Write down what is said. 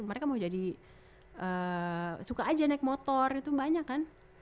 mereka mau jadi suka aja naik motor itu banyak kan